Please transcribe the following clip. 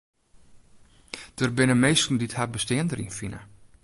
Der binne minsken dy't har bestean deryn fine.